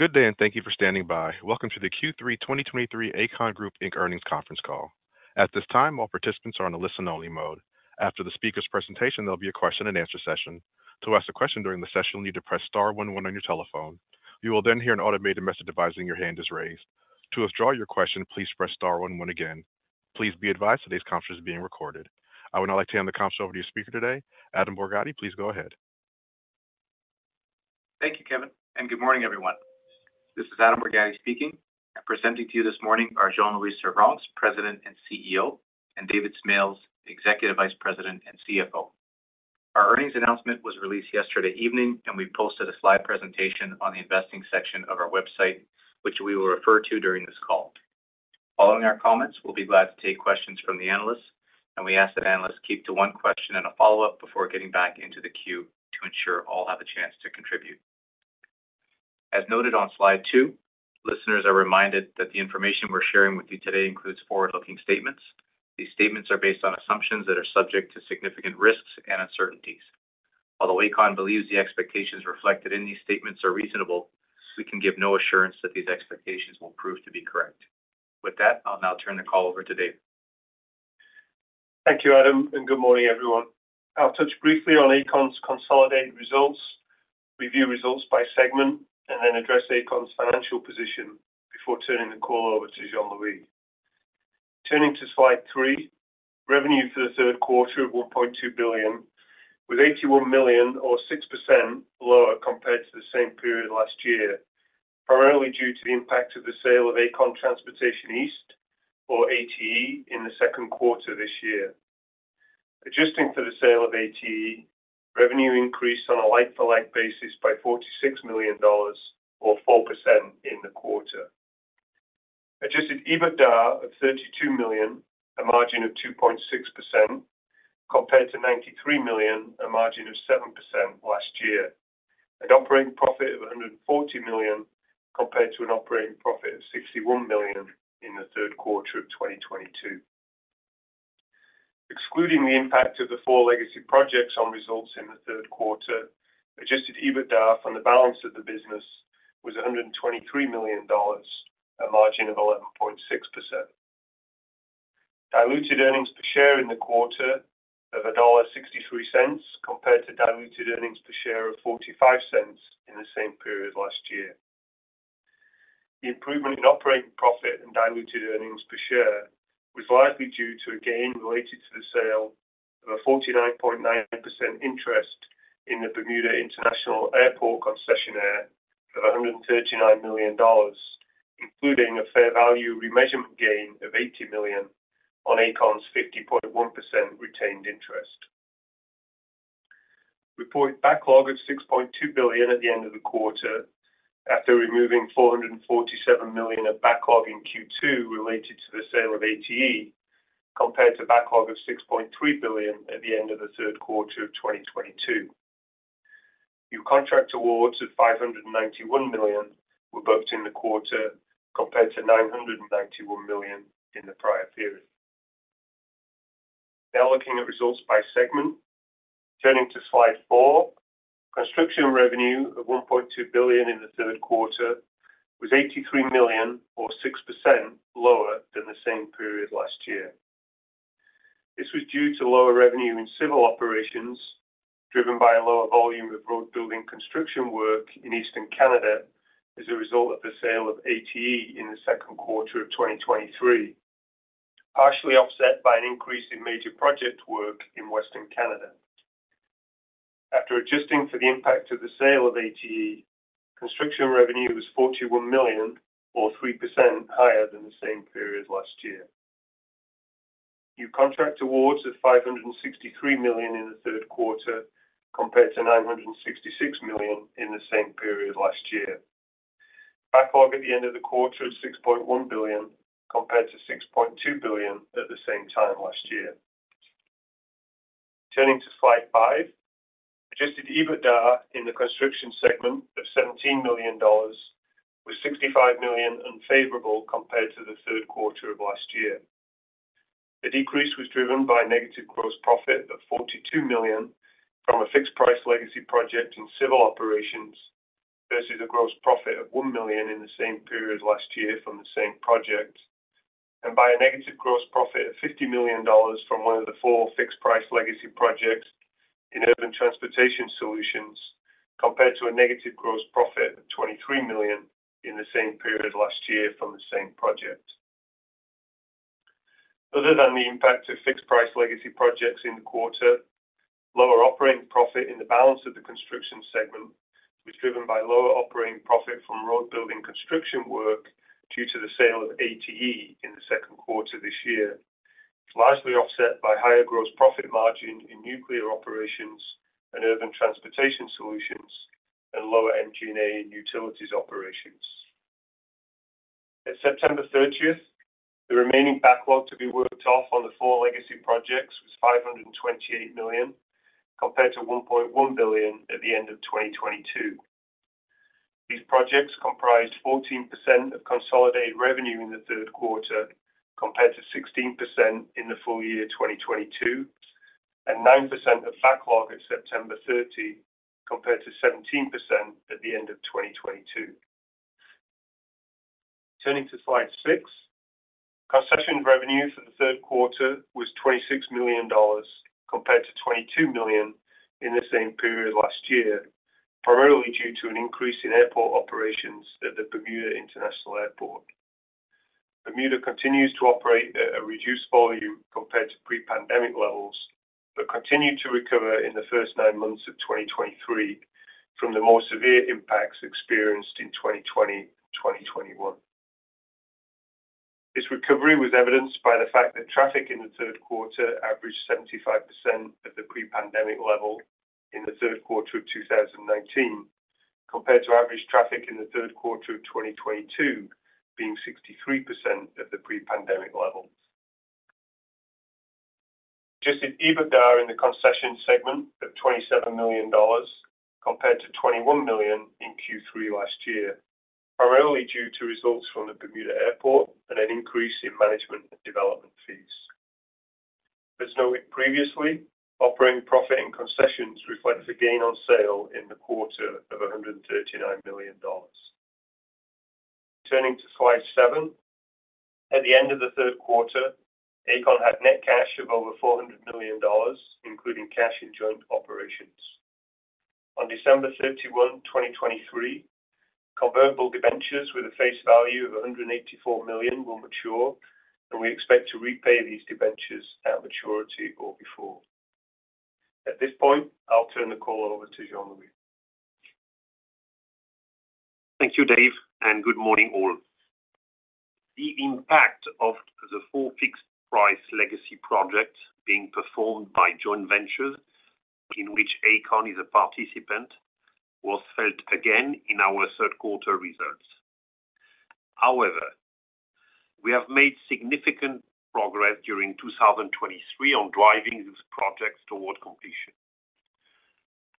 Good day, and thank you for standing by. Welcome to the Q3 2023 Aecon Group Inc Earnings Conference Call. At this time, all participants are on a listen-only mode. After the speaker's presentation, there'll be a question-and-answer session. To ask a question during the session, you'll need to press star one one on your telephone. You will then hear an automated message advising your hand is raised. To withdraw your question, please press star one one again. Please be advised that this conference is being recorded. I would now like to hand the conference over to your speaker today, Adam Borgatti. Please go ahead. Thank you, Kevin, and good morning, everyone. This is Adam Borgatti speaking, and presenting to you this morning are Jean-Louis Servranckx, President and CEO, and David Smales, Executive Vice President and CFO. Our earnings announcement was released yesterday evening, and we posted a slide presentation on the investing section of our website, which we will refer to during this call. Following our comments, we'll be glad to take questions from the analysts, and we ask that analysts keep to one question and a follow-up before getting back into the queue to ensure all have a chance to contribute. As noted on slide two, listeners are reminded that the information we're sharing with you today includes forward-looking statements. These statements are based on assumptions that are subject to significant risks and uncertainties. Although Aecon believes the expectations reflected in these statements are reasonable, we can give no assurance that these expectations will prove to be correct. With that, I'll now turn the call over to Dave. Thank you, Adam, and good morning, everyone. I'll touch briefly on Aecon's consolidated results, review results by segment, and then address Aecon's financial position before turning the call over to Jean-Louis. Turning to slide 3, revenue for the Q3 of 1.2 billion, with 81 million or 6% lower compared to the same period last year, primarily due to the impact of the sale of Aecon Transportation East or ATE in the Q2 this year. Adjusting for the sale of ATE, revenue increased on a like-for-like basis by 46 million dollars or 4% in the quarter. Adjusted EBITDA of 32 million, a margin of 2.6%, compared to 93 million, a margin of 7% last year. An operating profit of 140 million, compared to an operating profit of 61 million in the Q3 of 2022. Excluding the impact of the four legacy projects on results in the Q3, Adjusted EBITDA from the balance of the business was 123 million dollars, a margin of 11.6%. Diluted earnings per share in the quarter of dollar 1.63, compared to diluted earnings per share of 0.45 in the same period last year. The improvement in operating profit and diluted earnings per share was likely due to a gain related to the sale of a 49.9% interest in the Bermuda International Airport concessionaire of 139 million dollars, including a fair value remeasurement gain of 80 million on Aecon's 50.1% retained interest. Reported backlog of 6.2 billion at the end of the quarter, after removing 447 million of backlog in Q2 related to the sale of ATE, compared to backlog of 6.3 billion at the end of the third quarter of 2022. New contract awards of 591 million were booked in the quarter, compared to 991 million in the prior period. Now looking at results by segment. Turning to slide 4, construction revenue of 1.2 billion in the Q3 was 83 million or 6% lower than the same period last year. This was due to lower revenue in Civil operations, driven by a lower volume of road building construction work in Eastern Canada as a result of the sale of ATE in the Q2 of 2023, partially offset by an increase in major project work in Western Canada. After adjusting for the impact of the sale of ATE, construction revenue was 41 million or 3% higher than the same period last year. New contract awards of 563 million in the Q3, compared to 966 million in the same period last year. Backlog at the end of the quarter of 6.1 billion, compared to 6.2 billion at the same time last year. Turning to slide 5, Adjusted EBITDA in the construction segment of 17 million dollars was 65 million unfavorable compared to the Q3 of last year. The decrease was driven by negative gross profit of 42 million from a fixed-price legacy project in Civil operations, versus a gross profit of 1 million in the same period last year from the same project, and by a negative gross profit of 50 million dollars from one of the four fixed-price legacy projects in Urban Transportation Solutions, compared to a negative gross profit of 23 million in the same period last year from the same project. Other than the impact of fixed-price legacy projects in the quarter, lower operating profit in the balance of the construction segment was driven by lower operating profit from road building construction work due to the sale of ATE in the Q2 this year, largely offset by higher gross profit margin in Nuclear operations and Urban Transportation Solutions and lower MG&A in Utilities operations. At September 30, the remaining backlog to be worked off on the four legacy projects was 528 million, compared to 1.1 billion at the end of 2022. These projects comprised 14% of consolidated revenue in the Q3, compared to 16% in the full year 2022... and 9% of backlog at September 30, compared to 17% at the end of 2022. Turning to slide 6, concession revenue for the Q3 was 26 million dollars, compared to 22 million in the same period last year, primarily due to an increase in airport operations at the Bermuda International Airport. Bermuda continues to operate at a reduced volume compared to pre-pandemic levels, but continued to recover in the first nine months of 2023 from the more severe impacts experienced in 2020, 2021. This recovery was evidenced by the fact that traffic in the Q3 averaged 75% of the pre-pandemic level in the Q3 of 2019, compared to average traffic in the Q3 of 2022, being 63% of the pre-pandemic level. Adjusted EBITDA in the concession segment of 27 million dollars, compared to 21 million in Q3 last year, primarily due to results from the Bermuda Airport and an increase in management and development fees. As noted previously, operating profit and concessions reflect a gain on sale in the quarter of 139 million dollars. Turning to slide 7. At the end of the Q3, Aecon had net cash of over 400 million dollars, including cash in joint operations. On December 31, 2023, convertible debentures with a face value of 184 million will mature, and we expect to repay these debentures at maturity or before. At this point, I'll turn the call over to Jean-Louis. Thank you, Dave, and good morning, all. The impact of the four Fixed-Price Legacy Projects being performed by joint ventures, in which Aecon is a participant, was felt again in our Q3 results. However, we have made significant progress during 2023 on driving these projects toward completion.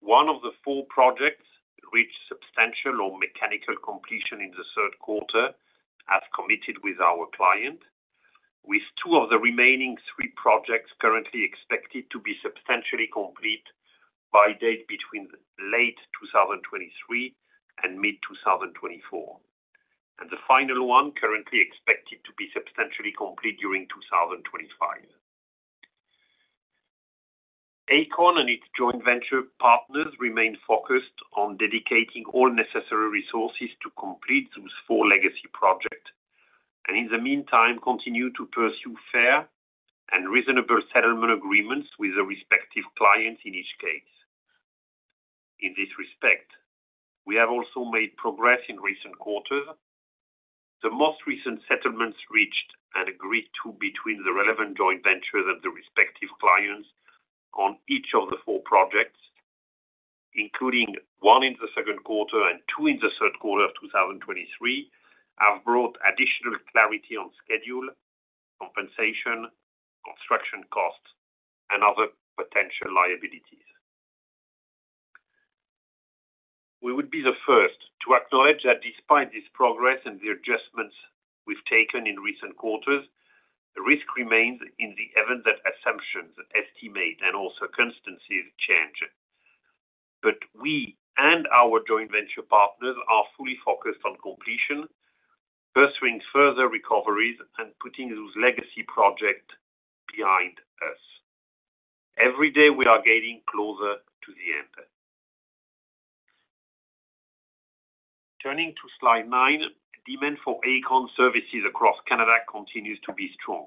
One of the four projects reached substantial or mechanical completion in the Q3, as committed with our client, with two of the remaining three projects currently expected to be substantially complete by date between late 2023 and mid 2024, and the final one currently expected to be substantially complete during 2025. Aecon and its joint venture partners remain focused on dedicating all necessary resources to complete those four legacy projects, and in the meantime, continue to pursue fair and reasonable settlement agreements with the respective clients in each case. In this respect, we have also made progress in recent quarters. The most recent settlements reached and agreed to between the relevant joint ventures and the respective clients on each of the four projects, including one in the Q3 and two in the Q3 of 2023, have brought additional clarity on schedule, compensation, construction costs, and other potential liabilities. We would be the first to acknowledge that despite this progress and the adjustments we've taken in recent quarters, the risk remains in the event that assumptions, estimates, and all circumstances change. But we and our joint venture partners are fully focused on completion, pursuing further recoveries, and putting those legacy project behind us. Every day, we are getting closer to the end. Turning to slide 9, demand for Aecon services across Canada continues to be strong.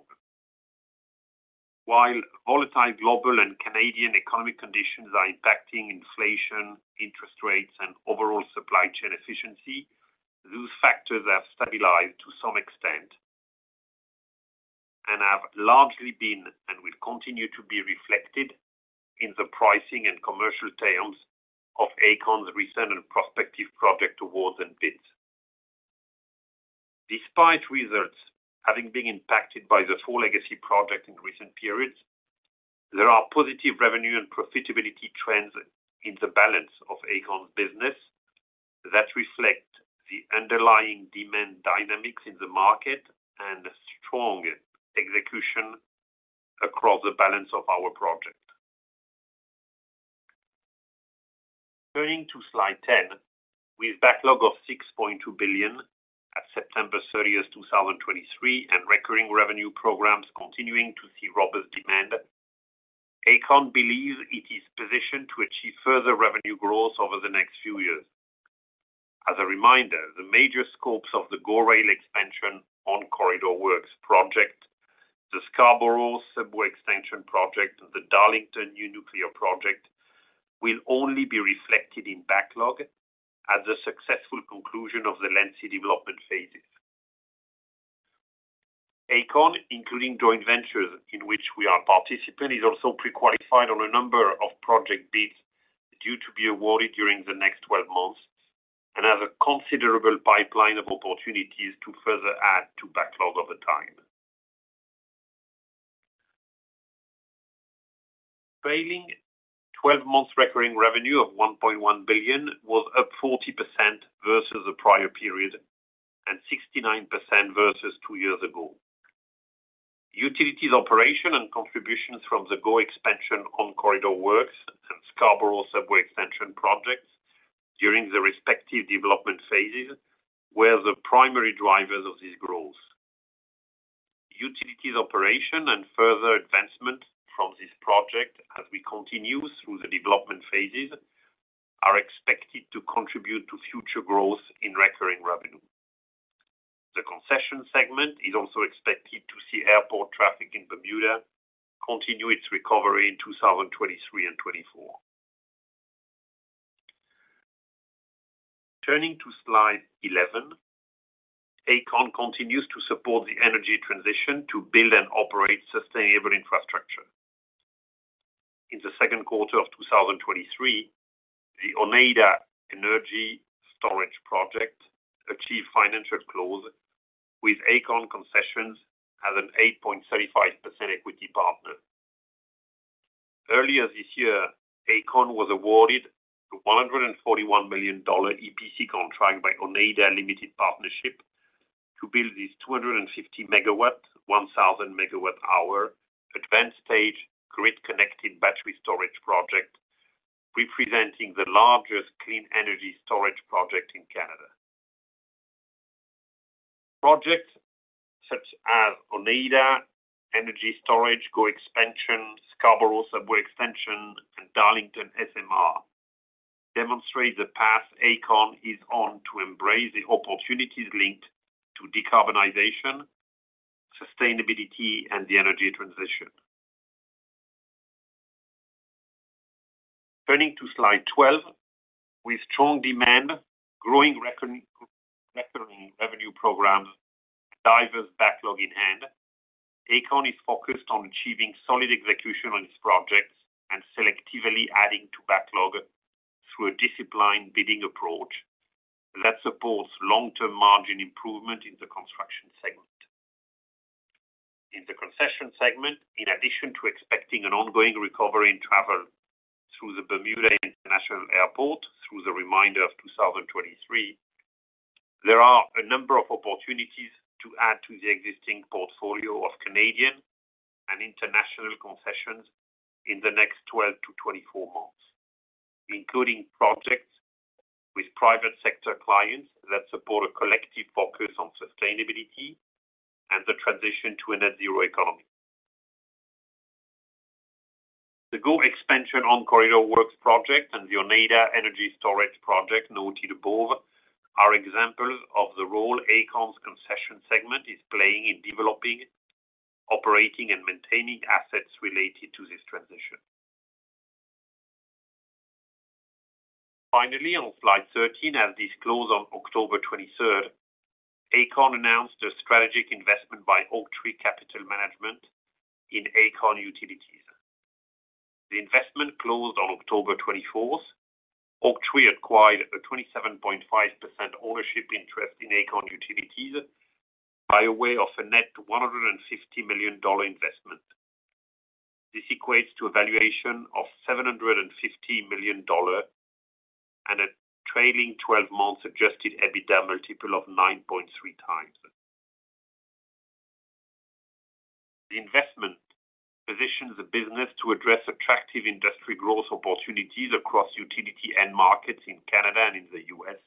While volatile global and Canadian economic conditions are impacting inflation, interest rates, and overall supply chain efficiency, those factors have stabilized to some extent and have largely been, and will continue to be reflected in the pricing and commercial terms of Aecon's recent and prospective project awards and bids. Despite results having been impacted by the 4 legacy projects in recent periods, there are positive revenue and profitability trends in the balance of Aecon's business that reflect the underlying demand dynamics in the market and strong execution across the balance of our project. Turning to slide 10, with backlog of 6.2 billion at September 30, 2023, and recurring revenue programs continuing to see robust demand, Aecon believes it is positioned to achieve further revenue growth over the next few years. As a reminder, the major scopes of the GO Expansion On-Corridor Works project, the Scarborough Subway Extension project, the Darlington New Nuclear Project, will only be reflected in backlog at the successful conclusion of the Alliance development phases. Aecon, including joint ventures in which we are participant, is also pre-qualified on a number of project bids due to be awarded during the next 12 months and have a considerable pipeline of opportunities to further add to backlog over time. Trailing twelve months, recurring revenue of 1.1 billion was up 40% versus the prior period and 69% versus two years ago. Utilities operation and contributions from the GO Expansion On-Corridor Works and Scarborough Subway Extension projects during the respective development phases were the primary drivers of this growth. Utilities operation and further advancement from this project, as we continue through the development phases, are expected to contribute to future growth in recurring revenue. The concession segment is also expected to see airport traffic in Bermuda continue its recovery in 2023 and 2024. Turning to slide 11, Aecon continues to support the energy transition to build and operate sustainable infrastructure. In the Q2 of 2023, the Oneida Energy Storage Project achieved financial close, with Aecon Concessions as an 8.35% equity partner. Earlier this year, Aecon was awarded a 141 million dollar EPC contract by Oneida Limited Partnership to build this 250-megawatt, 1,000-megawatt-hour advanced stage grid-connected battery storage project, representing the largest clean energy storage project in Canada. Projects such as Oneida Energy Storage, GO Expansion, Scarborough Subway Extension, and Darlington SMR demonstrate the path Aecon is on to embrace the opportunities linked to decarbonization, sustainability, and the energy transition. Turning to slide 12. With strong demand, growing recurring revenue programs, diverse backlog in hand, Aecon is focused on achieving solid execution on its projects and selectively adding to backlog through a disciplined bidding approach that supports long-term margin improvement in the construction segment. In the concession segment, in addition to expecting an ongoing recovery in travel through the Bermuda International Airport through the remainder of 2023, there are a number of opportunities to add to the existing portfolio of Canadian and international concessions in the next 12-24 months, including projects with private sector clients that support a collective focus on sustainability and the transition to a net zero economy. The GO Expansion On-Corridor Works project and the Oneida Energy Storage Project noted above are examples of the role Aecon's concession segment is playing in developing, operating, and maintaining assets related to this transition. Finally, on slide 13, as disclosed on October 23, Aecon announced a strategic investment by Oaktree Capital Management in Aecon Utilities. The investment closed on October 24. Oaktree acquired a 27.5% ownership interest in Aecon Utilities by way of a net 150 million dollar investment. This equates to a valuation of 750 million dollar and a trailing twelve-month adjusted EBITDA multiple of 9.3x. The investment positions the business to address attractive industry growth opportunities across utility end markets in Canada and in the U.S.,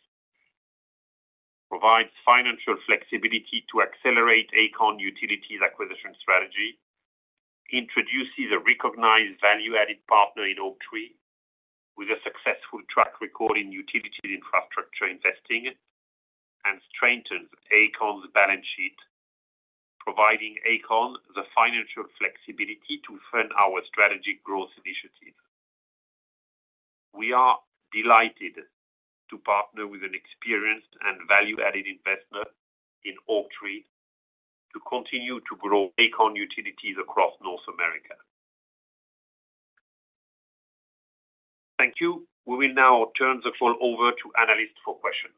provides financial flexibility to accelerate Aecon Utilities acquisition strategy, introduces a recognized value-added partner in Oaktree, with a successful track record in utility infrastructure investing, and strengthens Aecon's balance sheet, providing Aecon the financial flexibility to fund our strategic growth initiative. We are delighted to partner with an experienced and value-added investor in Oaktree to continue to grow Aecon Utilities across North America. Thank you. We will now turn the call over to analysts for questions.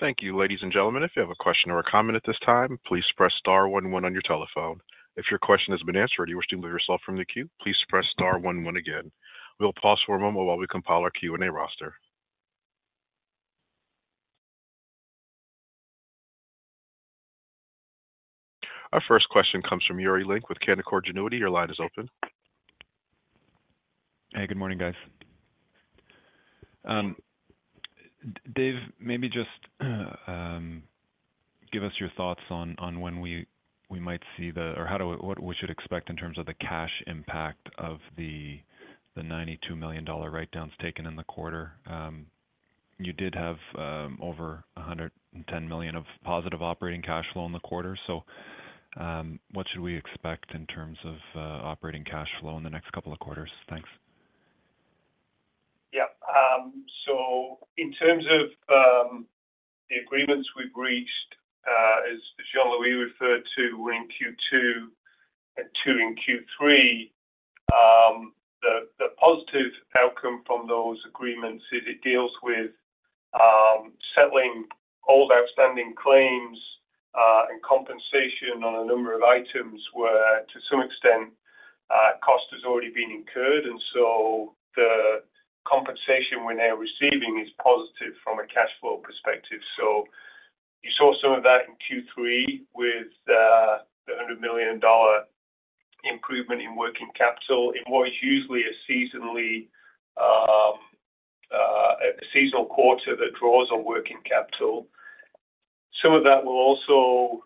Thank you, ladies and gentlemen. If you have a question or a comment at this time, please press star one one on your telephone. If your question has been answered, or you wish to remove yourself from the queue, please press star one one again. We'll pause for a moment while we compile our Q&A roster. Our first question comes from Yuri Lynk with Canaccord Genuity. Your line is open. Hey, good morning, guys. Dave, maybe just give us your thoughts on when we might see the... or how do we—what we should expect in terms of the cash impact of the 92 million dollar writedowns taken in the quarter. You did have over 110 million of positive operating cash flow in the quarter. So, what should we expect in terms of operating cash flow in the next couple of quarters? Thanks. Yeah. So in terms of the agreements we've reached, as Jean-Louis referred to in Q2 and Q3, the positive outcome from those agreements is it deals with settling all the outstanding claims and compensation on a number of items where, to some extent, cost has already been incurred, and so the compensation we're now receiving is positive from a cash flow perspective. So you saw some of that in Q3 with the 100 million dollar improvement in working capital in what is usually a seasonally a seasonal quarter that draws on working capital. Some of that will also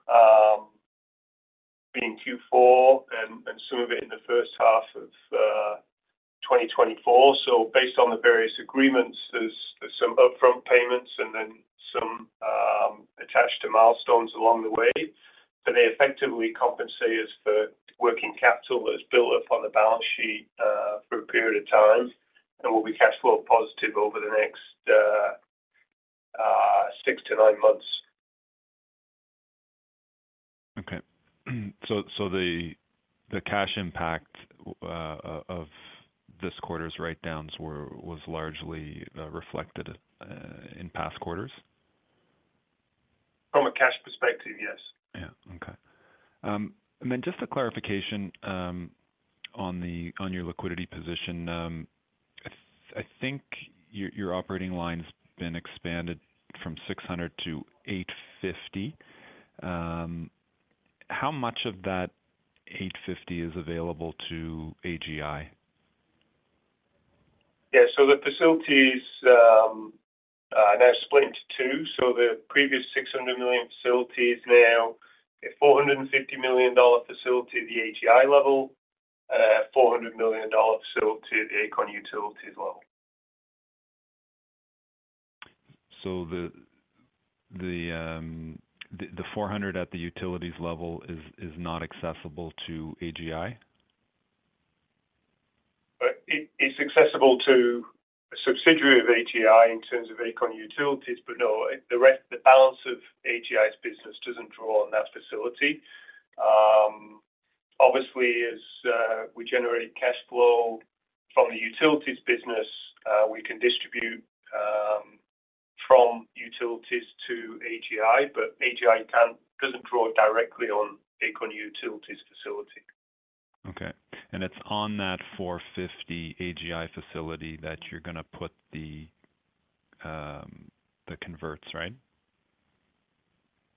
be in Q4 and some of it in the first half of 2024. So based on the various agreements, there's some upfront payments and then some attached to milestones along the way. But they effectively compensate us for working capital that has built up on the balance sheet, for a period of time and will be cash flow positive over the next, 6-9 months. Okay. So the cash impact of this quarter's write-downs were... was largely reflected in past quarters? From a cash perspective, yes. Yeah. Okay. Just a clarification on your liquidity position. I think your operating line's been expanded from 600 million to 850 million. How much of that 850 million is available to AGI? Yeah. So the facilities are now split into two. So the previous 600 million facility is now a 450 million dollar facility at the AGI level, and 400 million facility at Aecon Utilities level. The four hundred at the utilities level is not accessible to AGI? It's accessible to a subsidiary of AGI in terms of Aecon Utilities, but no, the rest... The balance of AGI's business doesn't draw on that facility. Obviously, as we generate cash flow from the utilities business, we can distribute from utilities to AGI, but AGI can't- doesn't draw directly on Aecon Utilities facility. Okay. It's on that 450 AGI facility that you're gonna put the, the converts, right?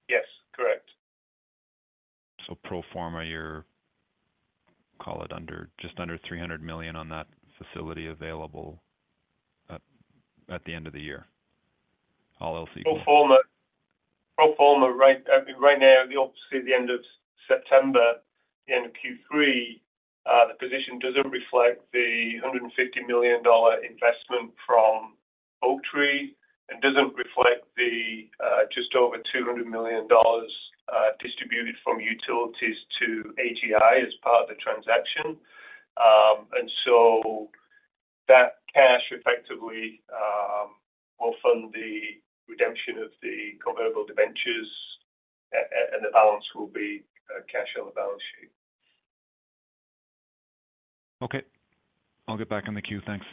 Yes, correct. So pro forma, you're, call it just under 300 million on that facility available at the end of the year. All else equal. Pro forma, pro forma, right, I mean, right now, obviously, the end of September, the end of Q3, the position doesn't reflect the 150 million dollar investment from Oaktree and doesn't reflect the, just over 200 million dollars, distributed from utilities to AGI as part of the transaction. And so that cash effectively, will fund the redemption of the convertible debentures, and the balance will be, cash on the balance sheet. Okay. I'll get back in the queue. Thanks.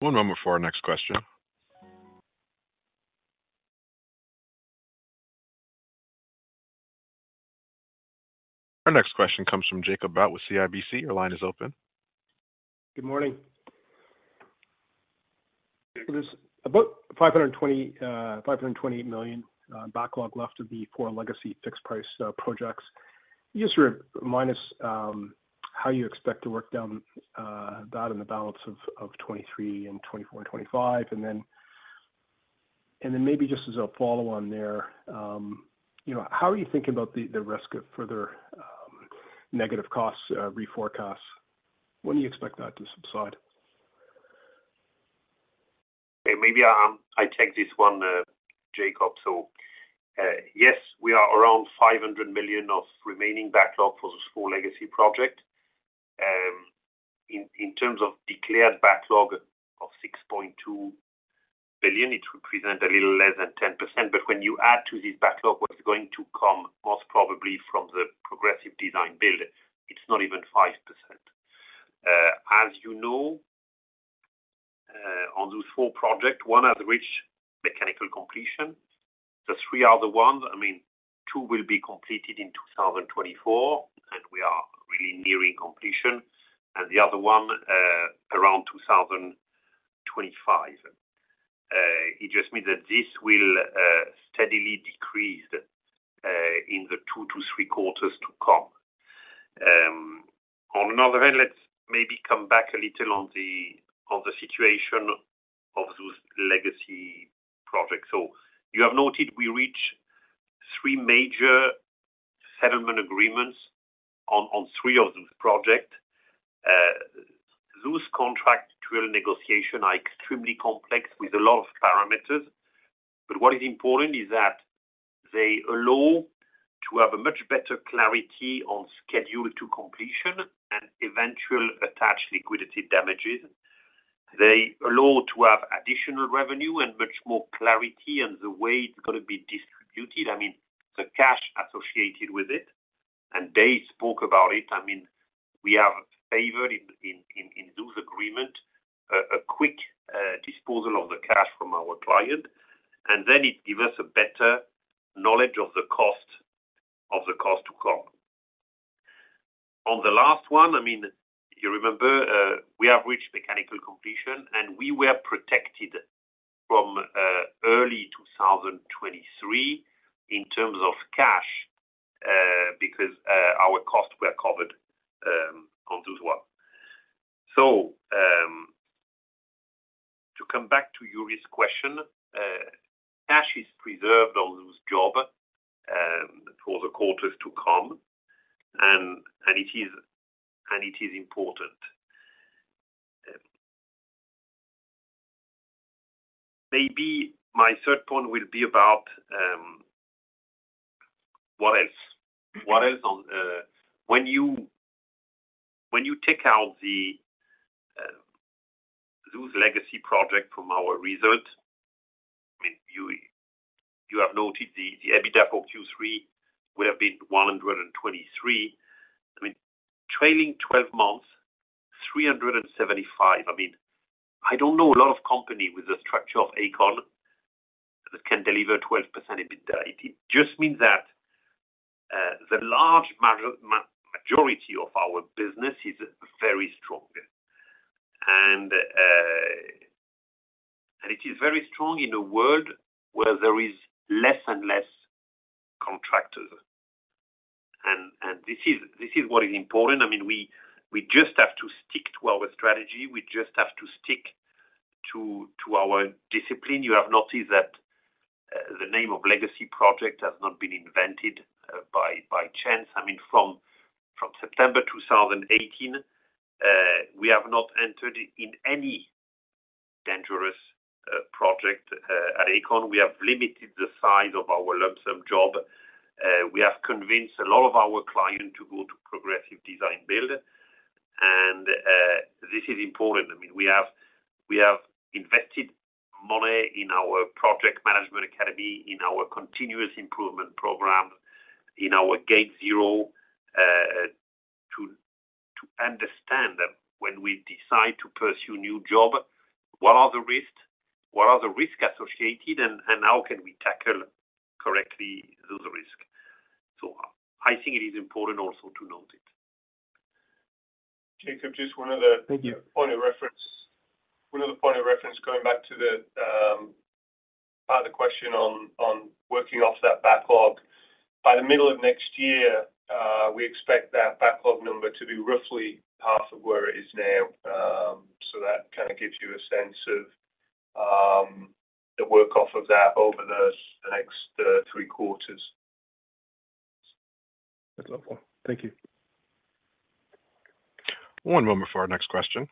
One moment for our next question. Our next question comes from Jacob Bout with CIBC. Your line is open. Good morning. There's about 520 million backlog left of the four legacy fixed-price projects. Just sort of minus how you expect to work down that in the balance of 2023 and 2024 and 2025. Maybe just as a follow-on there, you know, how are you thinking about the risk of further negative costs reforecasts? When do you expect that to subside? Maybe I take this one, Jacob. So, yes, we are around 500 million of remaining backlog for this four legacy project. In terms of declared backlog of 6.2 billion, it represent a little less than 10%, but when you add to this backlog, what is going to come most probably from the progressive design-build, it's not even 5%. As you know, on those four projects, one has reached mechanical completion. The three other ones, I mean, two will be completed in 2024, and we are really nearing completion, and the other one around 2025. It just means that this will steadily decrease in the two to three quarters to come. On another hand, let's maybe come back a little on the, on the situation of those legacy projects. So you have noted we reached three major settlement agreements on, on three of those projects. Those contractual negotiations are extremely complex with a lot of parameters, but what is important is that they allow to have a much better clarity on schedule to completion and eventual attached liquidity damages. They allow to have additional revenue and much more clarity on the way it's gonna be distributed, I mean, the cash associated with it. And Dave spoke about it, I mean, we have favored in agreement a quick disposal of the cash from our client, and then it give us a better knowledge of the cost, of the cost to come. On the last one, I mean, you remember, we have reached mechanical completion, and we were protected from early 2023 in terms of cash, because our costs were covered on those one. To come back to Yuri's question, cash is preserved on this job for the quarters to come, and it is, and it is important. Maybe my third point will be about, what else? What else on, when you take out the loose legacy project from our result, I mean, you have noted the EBITDA for Q3 would have been 123 million. I mean, trailing twelve months, 375 million. I mean, I don't know a lot of company with the structure of Aecon that can deliver 12% EBITDA. It just means that the large majority of our business is very strong. And and it is very strong in a world where there is less and less contractors. And this is what is important. I mean, we just have to stick to our strategy. We just have to stick to our discipline. You have noticed that the name of legacy project has not been invented by chance. I mean, from September 2018, we have not entered in any dangerous project. At Aecon, we have limited the size of our lump sum job. We have convinced a lot of our client to go to Progressive Design-Build, and this is important. I mean, we have invested money in our Project Management Academy, in our continuous improvement program, in our Gate Zero, to understand that when we decide to pursue a new job, what are the risks? What are the risks associated, and how can we tackle correctly those risk? So I think it is important also to note it. Jacob, just one other- Thank you. Point of reference. One other point of reference, going back to the part of the question on, on working off that backlog. By the middle of next year, we expect that backlog number to be roughly half of where it is now. So that kind of gives you a sense of the work off of that over the next three quarters. That's helpful. Thank you. One moment for our next question.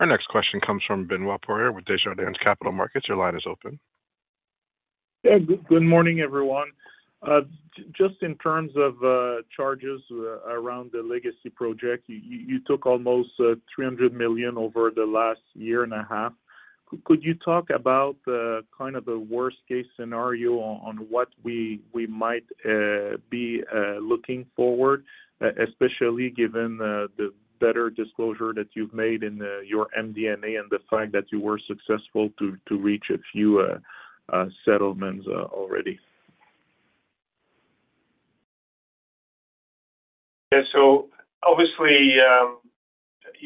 Our next question comes from Benoit Poirier with Desjardins Capital Markets. Your line is open. Yeah. Good morning, everyone. Just in terms of charges around the legacy project, you took almost 300 million over the last year and a half. Could you talk about the kind of the worst-case scenario on what we might be looking forward, especially given the better disclosure that you've made in your MD&A and the fact that you were successful to reach a few settlements already? Yeah, so obviously, you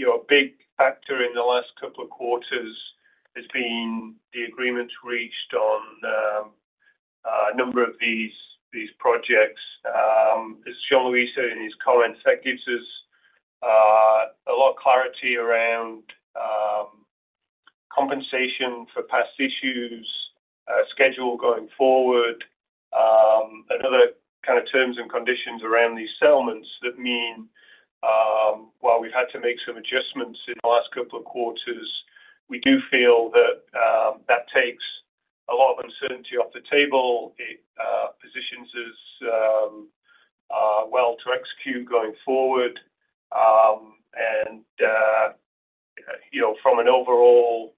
know, a big factor in the last couple of quarters has been the agreements reached on a number of these, these projects. As Jean-Louis said in his comments, that gives us a lot of clarity around compensation for past issues, schedule going forward, and other kind of terms and conditions around these settlements that mean, while we've had to make some adjustments in the last couple of quarters, we do feel that that takes a lot of uncertainty off the table. It positions us well to execute going forward. And, you know, from an overall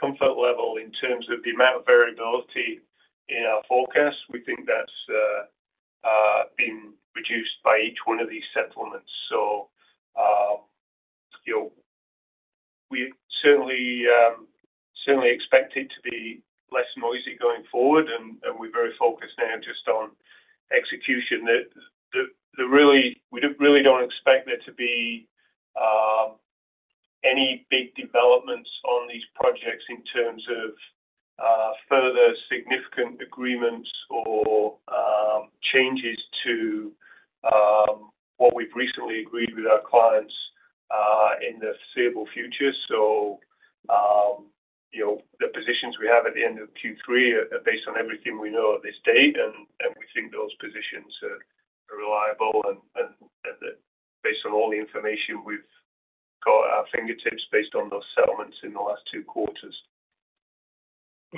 comfort level in terms of the amount of variability in our forecast, we think that's been reduced by each one of these settlements. So, you know, we certainly certainly expect it to be less noisy going forward, and we're very focused now just on execution. We really don't expect there to be any big developments on these projects in terms of further significant agreements or changes to what we've recently agreed with our clients in the foreseeable future. So, you know, the positions we have at the end of Q3 are based on everything we know at this date, and we think those positions are reliable, and based on all the information we've got at our fingertips, based on those settlements in the last two quarters. ...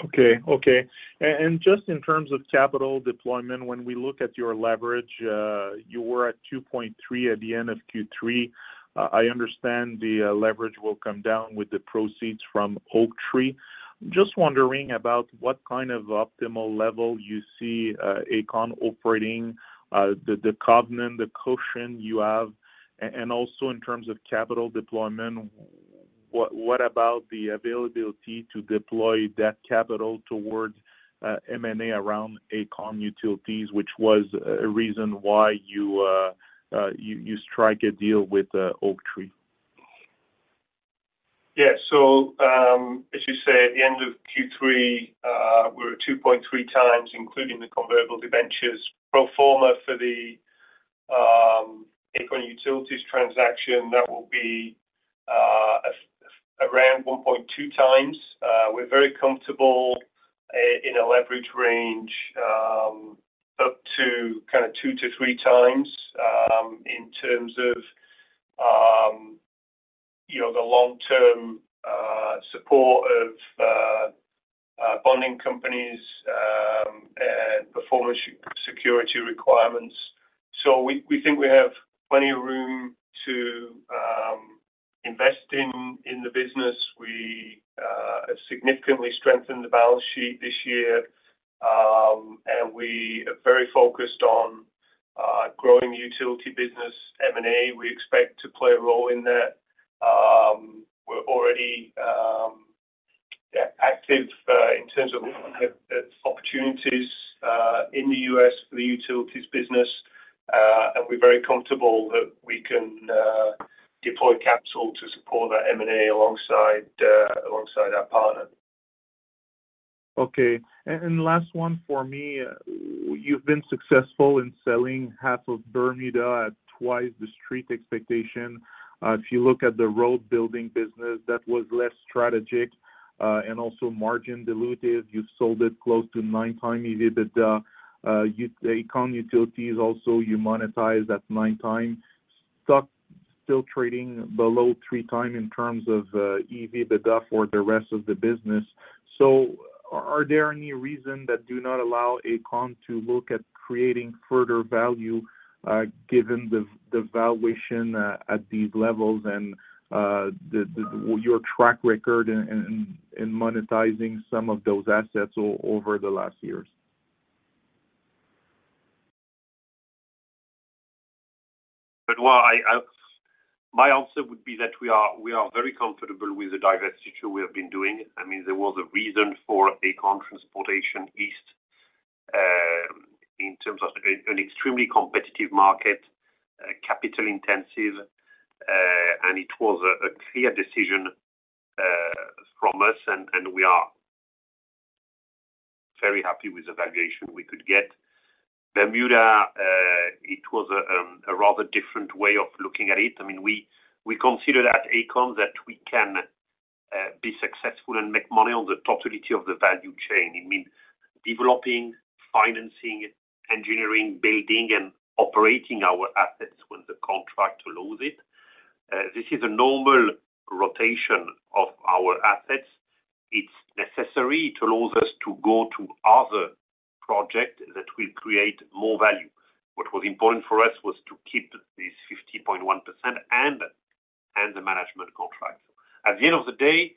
Okay, okay. And just in terms of capital deployment, when we look at your leverage, you were at 2.3 at the end of Q3. I understand the leverage will come down with the proceeds from Oaktree. Just wondering about what kind of optimal level you see Aecon operating, the covenant, the cushion you have, and also in terms of capital deployment, what about the availability to deploy that capital towards M&A around Aecon Utilities, which was a reason why you strike a deal with Oaktree? Yeah. So, as you say, at the end of Q3, we're at 2.3 times, including the convertible debentures pro forma for the Aecon Utilities transaction. That will be around 1.2 times. We're very comfortable in a leverage range up to kind of 2-3 times in terms of you know, the long-term support of bonding companies and performance security requirements. So we think we have plenty of room to invest in the business. We have significantly strengthened the balance sheet this year, and we are very focused on growing the utility business, M&A; we expect to play a role in that. We're already active in terms of opportunities in the US for the utilities business, and we're very comfortable that we can deploy capital to support that M&A alongside our partner. Okay. And last one for me. You've been successful in selling half of Bermuda at twice the street expectation. If you look at the road building business, that was less strategic, and also margin dilutive. You sold it close to 9x EBITDA. Aecon Utilities also, you monetized at 9x. Stock still trading below 3x in terms of EV to EBITDA, or the rest of the business. So are there any reason that do not allow Aecon to look at creating further value, given the valuation at these levels and your track record in monetizing some of those assets over the last years? Well, my answer would be that we are very comfortable with the divestiture we have been doing. I mean, there was a reason for Aecon Transportation East in terms of an extremely competitive market, capital intensive, and it was a clear decision from us, and we are very happy with the valuation we could get. Bermuda, it was a rather different way of looking at it. I mean, we consider that at Aecon, that we can be successful and make money on the totality of the value chain. It means developing, financing, engineering, building, and operating our assets when the contract allows it. This is a normal rotation of our assets. It's necessary to allow us to go to other projects that will create more value. What was important for us was to keep this 50.1% and the management contract. At the end of the day,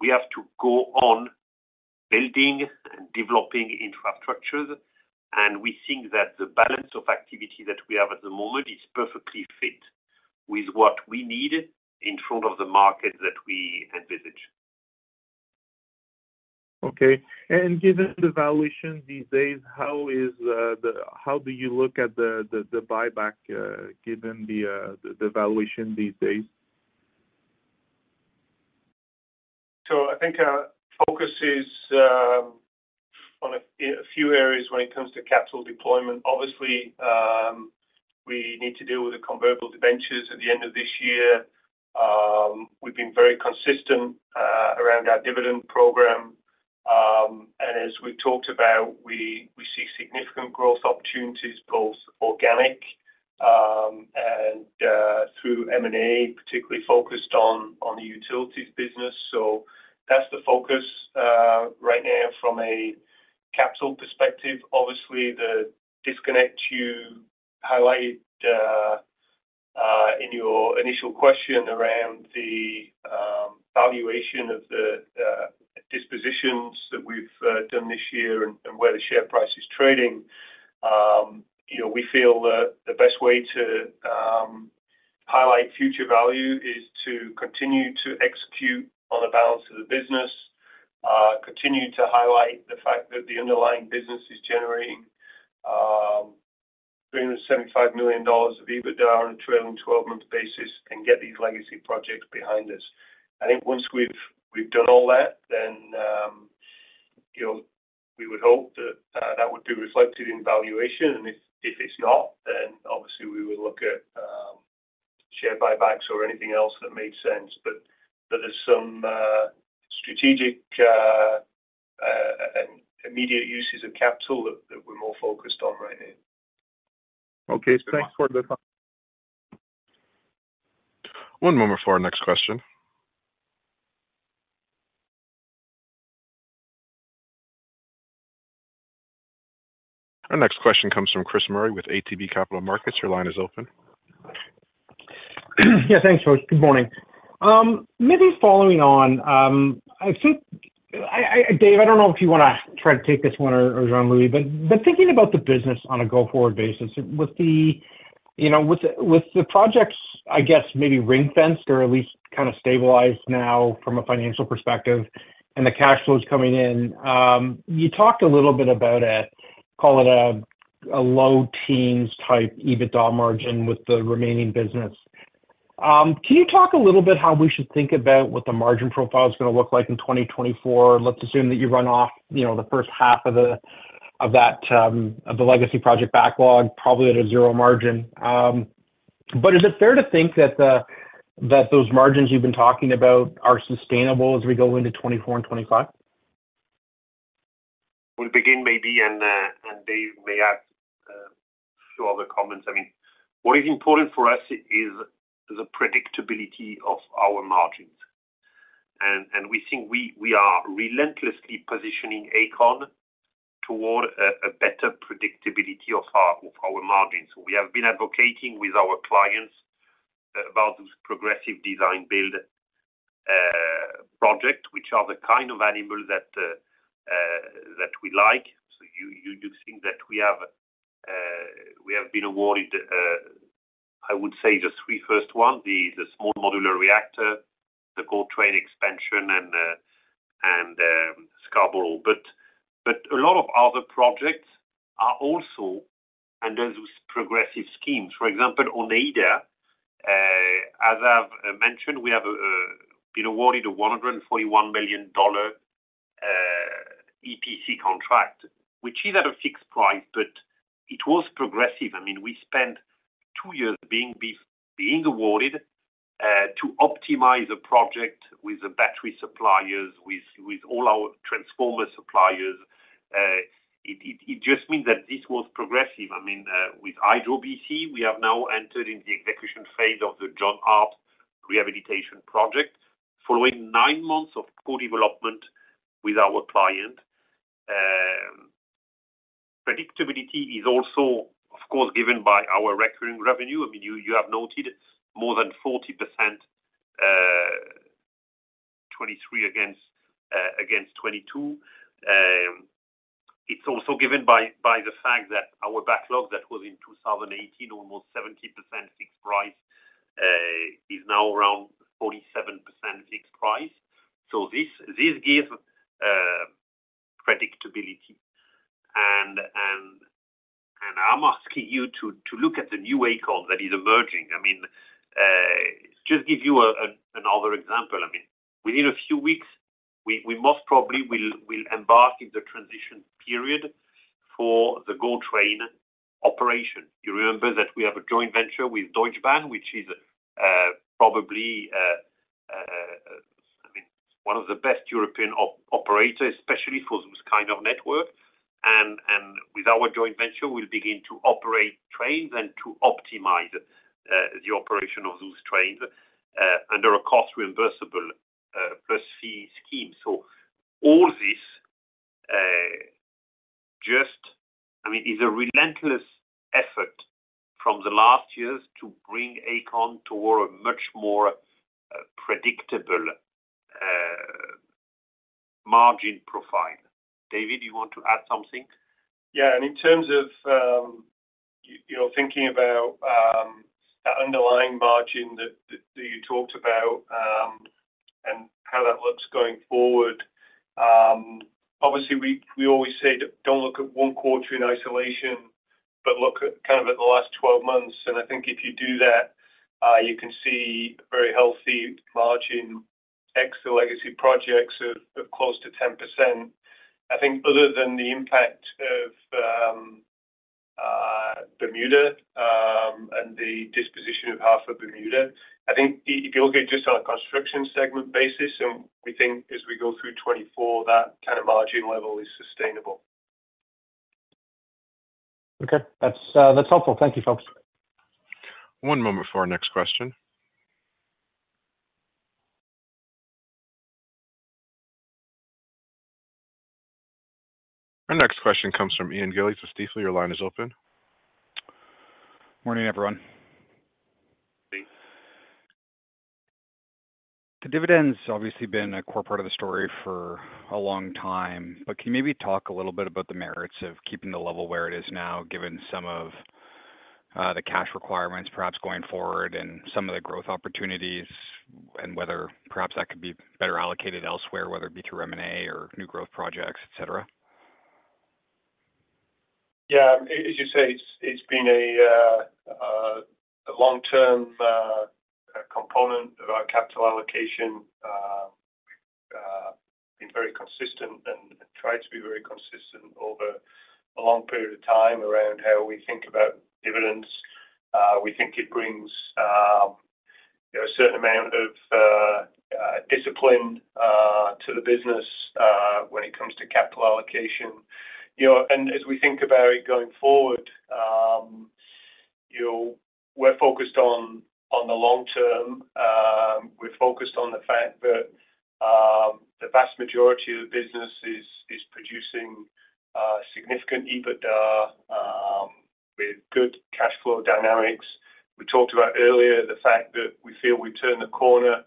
we have to go on building and developing infrastructures, and we think that the balance of activity that we have at the moment is perfectly fit with what we need in front of the market that we envisage. Okay, and given the valuation these days, how do you look at the buyback, given the valuation these days? So I think our focus is on a few areas when it comes to capital deployment. Obviously, we need to deal with the Convertible Debentures at the end of this year. We've been very consistent around our dividend program. And as we've talked about, we see significant growth opportunities, both organic and through M&A, particularly focused on the utilities business. So that's the focus right now from a capital perspective. Obviously, the disconnect you highlighted in your initial question around the valuation of the dispositions that we've done this year and where the share price is trading. You know, we feel that the best way to highlight future value is to continue to execute on the balance of the business, continue to highlight the fact that the underlying business is generating 375 million dollars of EBITDA on a trailing twelve-month basis and get these legacy projects behind us. I think once we've done all that, we would hope that that would be reflected in valuation. And if it's not, then obviously we would look at share buybacks or anything else that made sense. But there's some strategic immediate uses of capital that we're more focused on right now. Okay. Thanks for the comment.... One moment for our next question. Our next question comes from Chris Murray with ATB Capital Markets. Your line is open. Yeah, thanks, folks. Good morning. Maybe following on, I think, I—Dave, I don't know if you wanna try to take this one or, or Jean-Louis, but, but thinking about the business on a go-forward basis, with the, you know, with the, with the projects, I guess maybe ring-fenced or at least kind of stabilized now from a financial perspective and the cash flows coming in, you talked a little bit about a, call it a, a low teens type EBITDA margin with the remaining business. Can you talk a little bit how we should think about what the margin profile is gonna look like in 2024? Let's assume that you run off, you know, the first half of that legacy project backlog, probably at a zero margin. But is it fair to think that those margins you've been talking about are sustainable as we go into 2024 and 2025? We'll begin, maybe, and, and Dave may add, a few other comments. I mean, what is important for us is the predictability of our margins, and, and we think we, we are relentlessly positioning Aecon toward a, a better predictability of our, of our margins. We have been advocating with our clients about this Progressive Design-Build, project, which are the kind of animals that, that we like. So you, you, you think that we have, we have been awarded, I would say, the three first one, the, the small modular reactor, the GO Train expansion, and, and, Scarborough. But, but a lot of other projects are also under those progressive schemes. For example, Oneida, as I've mentioned, we have been awarded a 141 million dollar EPC contract, which is at a fixed price, but it was progressive. I mean, we spent two years being awarded to optimize the project with the battery suppliers, with all our transformer suppliers. It just means that this was progressive. I mean, with BC Hydro, we have now entered in the execution phase of the John Hart rehabilitation project, following nine months of co-development with our client. Predictability is also, of course, given by our recurring revenue. I mean, you have noted more than 40%, 2023 against 2022. It's also given by the fact that our backlog, that was in 2018, almost 70% fixed price, is now around 47% fixed price. So this gives predictability. And I'm asking you to look at the new Aecon that is emerging. I mean, just give you another example. I mean, within a few weeks, we most probably will embark in the transition period for the GO Train operation. You remember that we have a joint venture with Deutsche Bahn, which is probably one of the best European operators, especially for this kind of network. And with our joint venture, we'll begin to operate trains and to optimize the operation of those trains under a cost reimbursable plus fee scheme. So all this, just, I mean, is a relentless effort from the last years to bring Aecon toward a much more, predictable, margin profile. David, you want to add something? Yeah, and in terms of, you know, thinking about the underlying margin that you talked about, and how that looks going forward, obviously, we always say, don't look at one quarter in isolation, but look at kind of at the last 12 months. I think if you do that, you can see a very healthy margin, ex the legacy projects of close to 10%. I think other than the impact of Bermuda, and the disposition of half of Bermuda, I think if you look at just on a construction segment basis, and we think as we go through 2024, that kind of margin level is sustainable. Okay. That's, that's helpful. Thank you, folks. One moment for our next question. Our next question comes from Ian Gillies with Stifel. Your line is open. Morning, everyone. Hey. The dividend's obviously been a core part of the story for a long time, but can you maybe talk a little bit about the merits of keeping the level where it is now, given some of the cash requirements perhaps going forward and some of the growth opportunities, and whether perhaps that could be better allocated elsewhere, whether it be through M&A or new growth projects, et cetera? Yeah, as you say, it's been a long-term component of our capital allocation. Been very consistent and tried to be very consistent over a long period of time around how we think about dividends. We think it brings, you know, a certain amount of discipline to the business when it comes to capital allocation. You know, and as we think about it going forward, you know, we're focused on the long term. We're focused on the fact that the vast majority of the business is producing significant EBITDA with good cash flow dynamics. We talked about earlier, the fact that we feel we turned the corner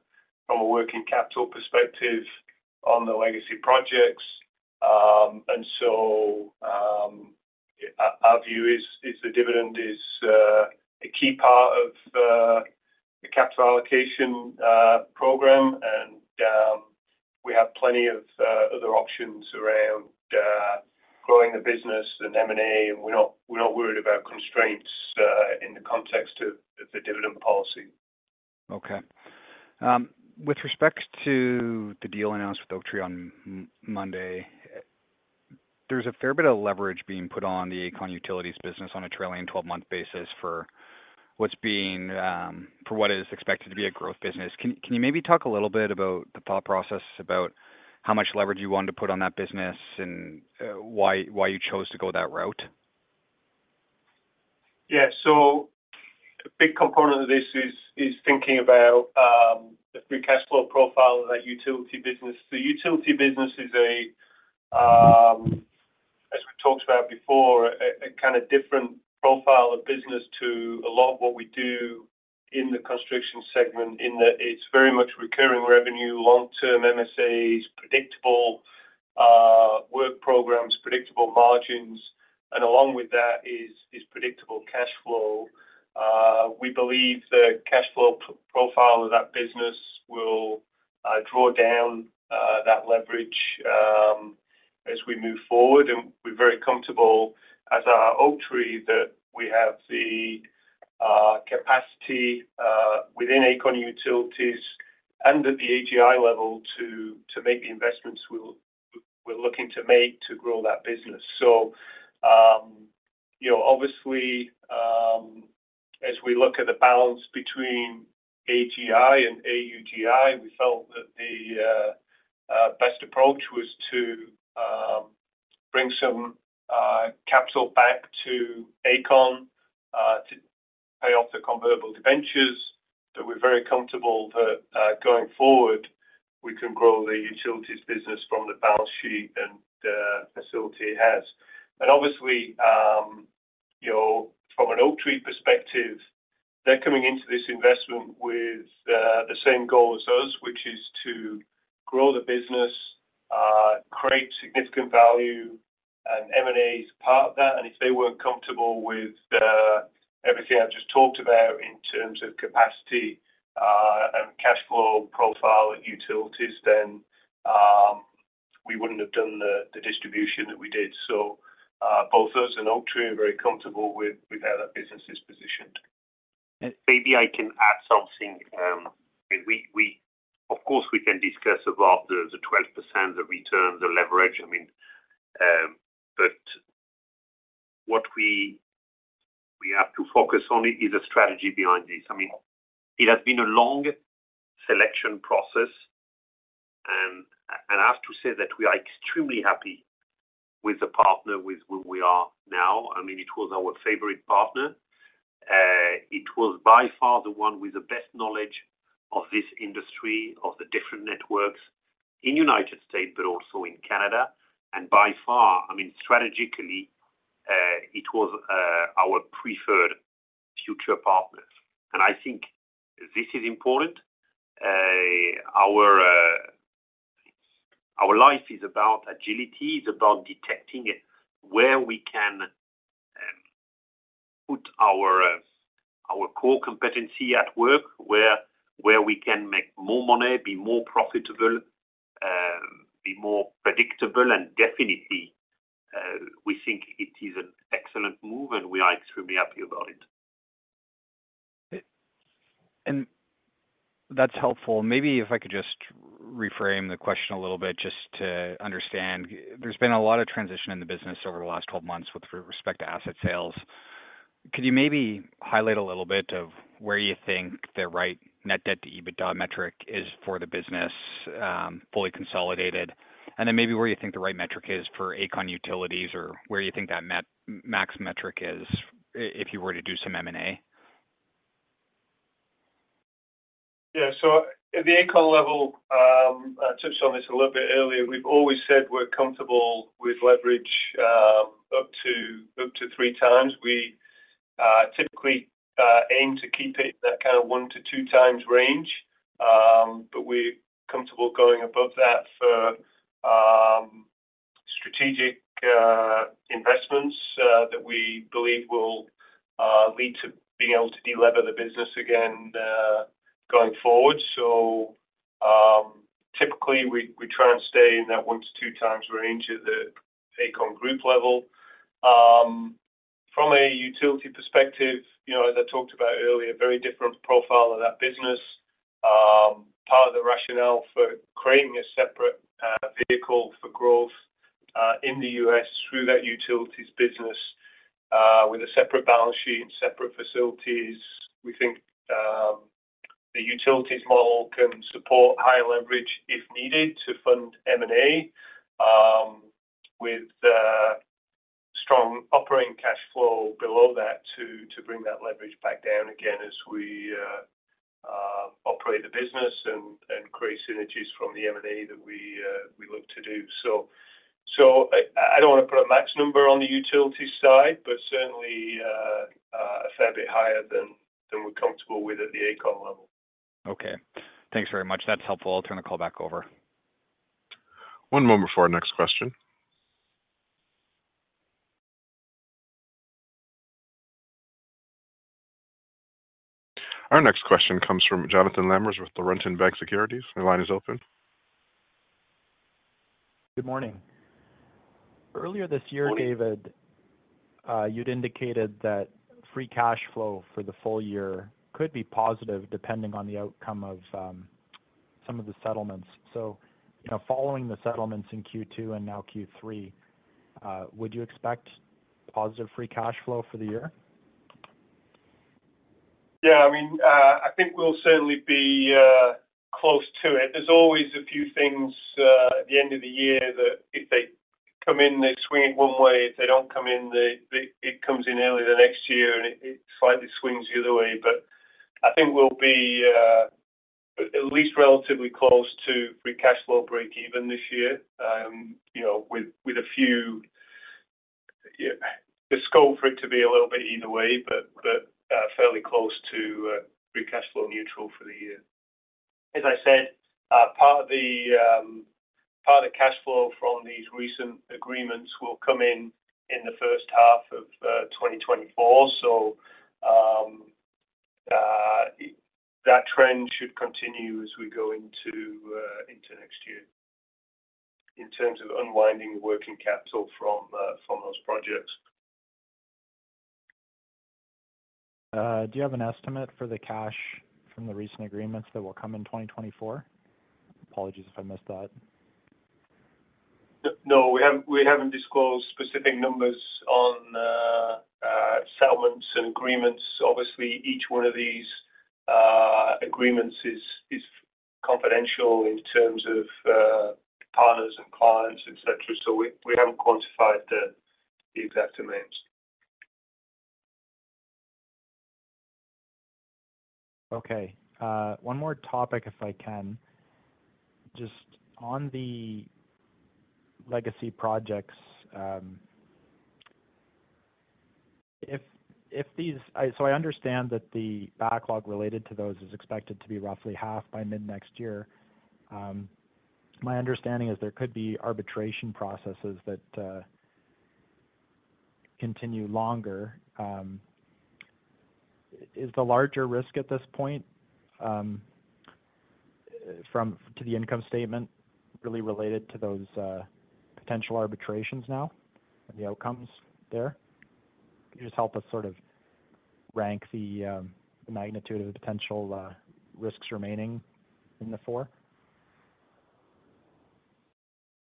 from a working capital perspective on the legacy projects. So, our view is the dividend is a key part of the capital allocation program, and we have plenty of other options around growing the business and M&A, and we're not worried about constraints in the context of the dividend policy. Okay. With respect to the deal announced with Oaktree on Monday, there's a fair bit of leverage being put on the Aecon Utilities business on a trailing twelve-month basis for what is expected to be a growth business. Can you maybe talk a little bit about the thought process about how much leverage you want to put on that business, and why you chose to go that route? Yeah. So a big component of this is thinking about the free cash flow profile of that utility business. The utility business is a, as we talked about before, a kind of different profile of business to a lot of what we do in the construction segment, in that it's very much recurring revenue, long-term MSAs, predictable work programs, predictable margins, and along with that is predictable cash flow. We believe the cash flow profile of that business will draw down that leverage as we move forward. And we're very comfortable as our Oaktree, that we have the capacity within Aecon Utilities and at the AGI level, to make the investments we're looking to make to grow that business. So, you know, obviously, as we look at the balance between AGI and AUGI, we felt that the best approach was to bring some capital back to Aecon, to pay off the convertible debentures, that we're very comfortable that going forward, we can grow the utilities business from the balance sheet and the facility it has. And obviously, you know, from an Oaktree perspective, they're coming into this investment with the same goal as us, which is to grow the business, create significant value, and M&A is part of that. And if they weren't comfortable with everything I've just talked about in terms of capacity and cash flow profile and utilities, then we wouldn't have done the distribution that we did. Both us and Oaktree are very comfortable with how that business is positioned. Maybe I can add something. We-- of course, we can discuss about the 12%, the return, the leverage, I mean, but what we have to focus on is the strategy behind this. I mean, it has been a long selection process, and I have to say that we are extremely happy with the partner with whom we are now. I mean, it was our favorite partner. It was by far the one with the best knowledge of this industry, of the different networks in United States, but also in Canada. And by far, I mean, strategically, it was our preferred future partners. And I think this is important. Our life is about agility, is about detecting it, where we can put our core competency at work, where we can make more money, be more profitable, be more predictable. And definitely, we think it is an excellent move, and we are extremely happy about it. That's helpful. Maybe if I could just reframe the question a little bit, just to understand. There's been a lot of transition in the business over the last 12 months with respect to asset sales. Could you maybe highlight a little bit of where you think the right net debt to EBITDA metric is for the business, fully consolidated? And then maybe where you think the right metric is for Aecon Utilities, or where you think that max metric is if you were to do some M&A. Yeah. So at the Aecon level, I touched on this a little bit earlier. We've always said we're comfortable with leverage up to 3 times. We typically aim to keep it in that kind of 1-2 times range. But we're comfortable going above that for strategic investments that we believe will lead to being able to delever the business again going forward. So typically, we try and stay in that 1-2 times range at the Aecon group level. From a utility perspective, you know, as I talked about earlier, very different profile of that business. Part of the rationale for creating a separate vehicle for growth in the U.S. through that utilities business-... With a separate balance sheet, separate facilities, we think the utilities model can support higher leverage if needed to fund M&A, with strong operating cash flow below that to bring that leverage back down again as we operate the business and create synergies from the M&A that we look to do. So, I don't want to put a max number on the utility side, but certainly a fair bit higher than we're comfortable with at the Aecon level. Okay, thanks very much. That's helpful. I'll turn the call back over. One moment before our next question. Our next question comes from Jonathan Lamers with Laurentian Bank Securities. Your line is open. Good morning. Earlier this year, David, you'd indicated that free cash flow for the full year could be positive, depending on the outcome of some of the settlements. So, you know, following the settlements in Q2 and now Q3, would you expect positive free cash flow for the year? Yeah, I mean, I think we'll certainly be close to it. There's always a few things at the end of the year that if they come in, they swing it one way. If they don't come in, it comes in early the next year, and it slightly swings the other way. But I think we'll be at least relatively close to free cash flow break even this year. You know, Yeah, the scope for it to be a little bit either way, but fairly close to free cash flow neutral for the year. As I said, part of the cash flow from these recent agreements will come in in the first half of 2024. That trend should continue as we go into next year in terms of unwinding the working capital from those projects. Do you have an estimate for the cash from the recent agreements that will come in 2024? Apologies if I missed that. No, we haven't, we haven't disclosed specific numbers on settlements and agreements. Obviously, each one of these agreements is confidential in terms of partners and clients, et cetera, so we haven't quantified the exact amounts. Okay, one more topic, if I can. Just on the legacy projects, so I understand that the backlog related to those is expected to be roughly half by mid-next year. My understanding is there could be arbitration processes that continue longer. Is the larger risk at this point from to the income statement really related to those potential arbitrations now and the outcomes there? Can you just help us sort of rank the magnitude of the potential risks remaining in the four?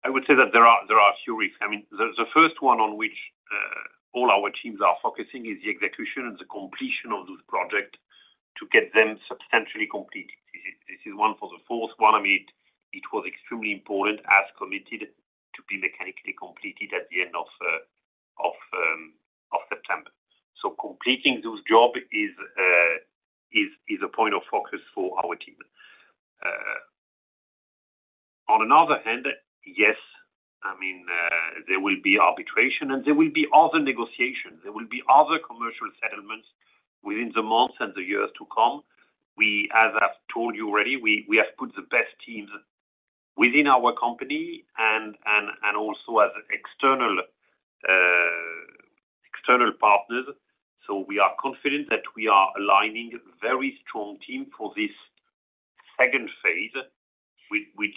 I would say that there are a few risks. I mean, the first one on which all our teams are focusing is the execution and the completion of those projects to get them substantially complete. This is one for the fourth one. I mean, it was extremely important as committed to be mechanically completed at the end of September. So completing those job is a point of focus for our team. On another hand, yes, I mean, there will be arbitration, and there will be other negotiations. There will be other commercial settlements within the months and the years to come. We, as I've told you already, we have put the best teams within our company and also as external external partners. So we are confident that we are aligning very strong team for this second phase, which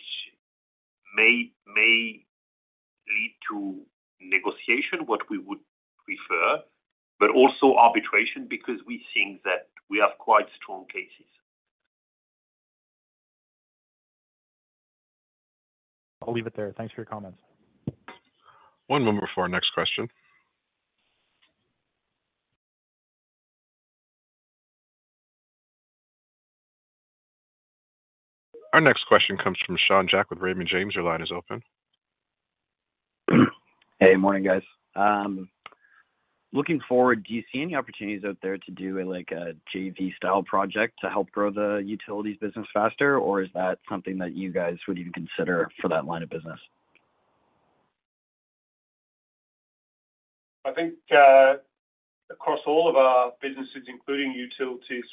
may lead to negotiation, what we would prefer, but also arbitration, because we think that we have quite strong cases. I'll leave it there. Thanks for your comments. One moment before our next question. Our next question comes from Sean Jack with Raymond James. Your line is open. Hey, morning, guys. Looking forward, do you see any opportunities out there to do a, like, a JV-style project to help grow the utilities business faster? Or is that something that you guys would even consider for that line of business? I think, across all of our businesses, including utilities,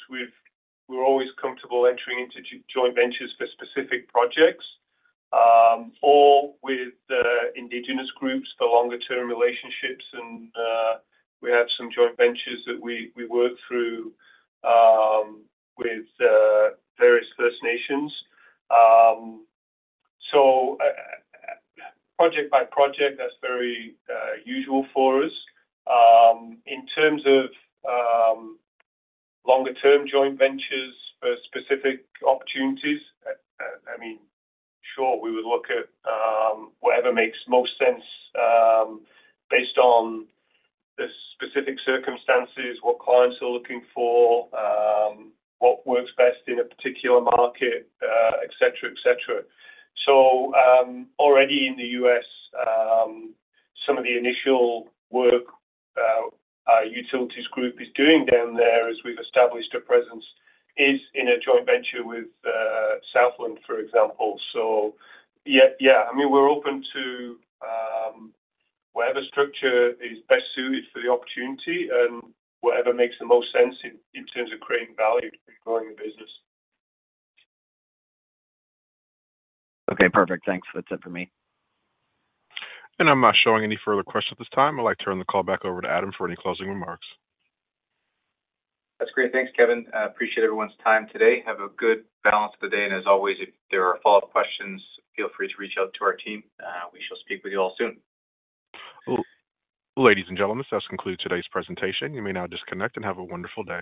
we're always comfortable entering into joint ventures for specific projects, or with indigenous groups for longer-term relationships. And we have some joint ventures that we work through, with various First Nations. So, project by project, that's very usual for us. In terms of longer-term joint ventures for specific opportunities, I mean, sure, we would look at whatever makes most sense, based on the specific circumstances, what clients are looking for, what works best in a particular market, et cetera, et cetera. So, already in the U.S., some of the initial work our utilities group is doing down there, as we've established a presence, is in a joint venture with Southland, for example. So yeah. Yeah, I mean, we're open to whatever structure is best suited for the opportunity and whatever makes the most sense in terms of creating value and growing the business. Okay, perfect. Thanks. That's it for me. I'm not showing any further questions at this time. I'd like to turn the call back over to Adam for any closing remarks. That's great. Thanks, Kevin. I appreciate everyone's time today. Have a good rest of the day, and as always, if there are follow-up questions, feel free to reach out to our team. We shall speak with you all soon. Ladies and gentlemen, this concludes today's presentation. You may now disconnect and have a wonderful day.